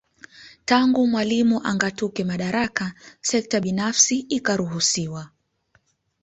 Tangu Mwalimu angatuke madaraka Sekta binafsi ikaruhusiwa